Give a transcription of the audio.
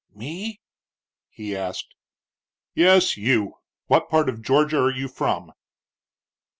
"Me?" he asked. "Yes, you. What part of Georgia are you from?"